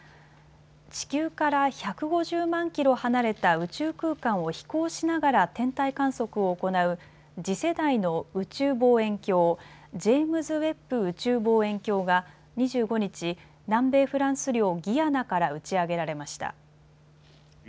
地球から１５０万キロ離れた宇宙空間を飛行しながら天体観測を行う次世代の宇宙望遠鏡、ジェームズ・ウェッブ宇宙望遠鏡が２５日、南米フランス領ギアナから打ち上げられました。